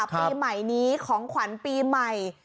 ปีใหม่นี้ของขวัญปีใหม่